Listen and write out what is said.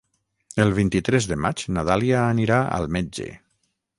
El vint-i-tres de maig na Dàlia anirà al metge.